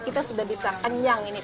kita sudah bisa kenyang ini